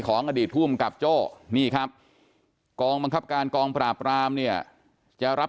ของอดีตภูมิกับโจ้นี่ครับกองบังคับการกองปราบรามเนี่ยจะรับ